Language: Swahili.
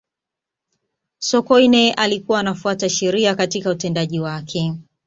sokoine alikuwa anafuata sheria katika utendaji wake